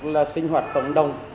là sinh hoạt tổng đồng